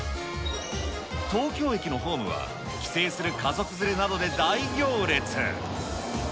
東京駅のホームは帰省する家族連れなどで大行列。